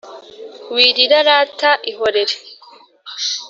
Wirira rata ihorere